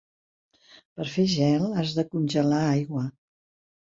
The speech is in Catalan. Per fer gel, has de congelar aigua.